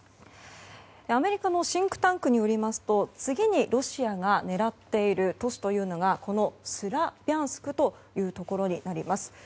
アメリカのシンクタンクによりますと次にロシアが狙っている都市がこのスラビャンスクというところになります。